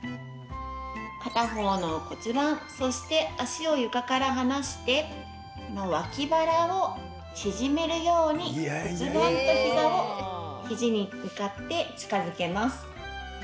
片方の骨盤そして脚を床から離して脇腹を縮めるように骨盤と膝を肘に向かって近づけます。